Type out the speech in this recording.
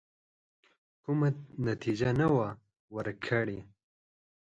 کومه نتیجه نه وه ورکړې.